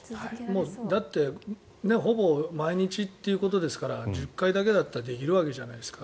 だってほぼ毎日っていうことですから１０回だけだったらできるわけじゃないですか。